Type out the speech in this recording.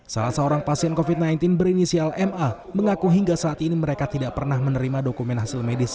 salah seorang pasien covid sembilan belas berinisial ma mengaku hingga saat ini mereka tidak pernah menerima dokumen hasil medis